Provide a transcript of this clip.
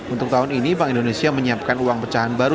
untuk tahun ini bank indonesia menyiapkan uang pecahan baru